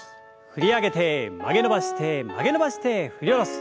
振り上げて曲げ伸ばして曲げ伸ばして振り下ろす。